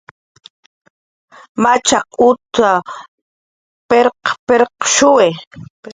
Machaq utw pirq wijchiwi